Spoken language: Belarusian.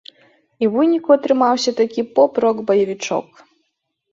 І ў выніку атрымаўся такі поп-рок баевічок.